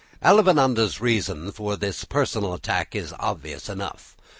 Avellaneda's reason for this personal attack is obvious enough.